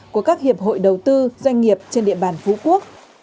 của các hiệp hội đầu tư doanh nghiệp trên địa bàn phú quốc